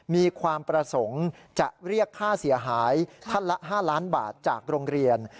มีความประสงค์จะเรียกค่าเสียหายท่านละ๕ล้านบาทจากโรงเรียน